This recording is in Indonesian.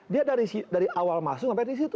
dia dari awal masuk sampai disitu